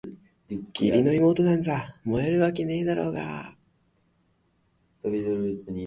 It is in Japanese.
義理の妹なんざ萌えるだけだろうがあ！